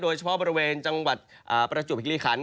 โดยเฉพาะบริเวณจังหวัดประจวบคิริคัน